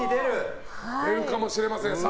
出るかもしれません。